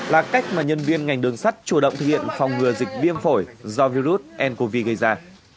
là cách mà nhân viên ngành đường sắt chủ động thực hiện phòng ngừa dịch viêm phổi do virus ncov gây ra